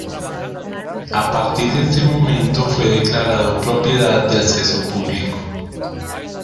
A partir de este momento fue declarado propiedad de acceso público.